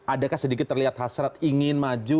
adakah sedikit terlihat hasrat ingin maju